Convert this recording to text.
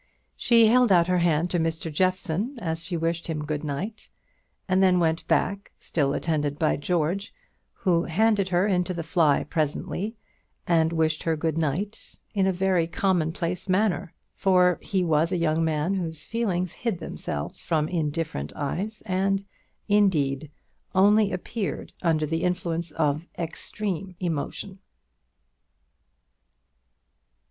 She held out her hand to Mr. Jeffson as she wished him good night, and then went back, still attended by George, who handed her into the fly presently, and wished her good night in a very commonplace manner; for he was a young man whose feelings hid themselves from indifferent eyes, and, indeed, only appeared under the influence of extreme emotion.